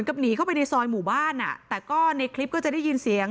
หนีเข้าไปในซอยหมู่บ้านอ่ะแต่ก็ในคลิปก็จะได้ยินเสียง